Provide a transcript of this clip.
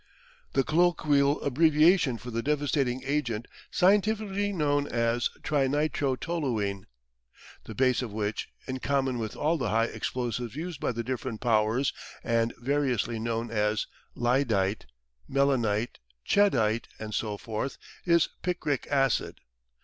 the colloquial abbreviation for the devastating agent scientifically known as "Trinitrotoluene," the base of which, in common with all the high explosives used by the different powers and variously known as lyddite, melinite, cheddite, and so forth, is picric acid.